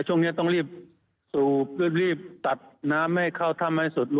ช่วงนี้ต้องรีบสูบรีบตัดน้ำให้เข้าถ้ำให้สุด